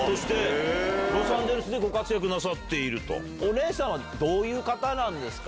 お姉さんはどういう方ですか？